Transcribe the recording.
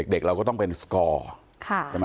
เด็กเราก็ต้องเป็นสกอร์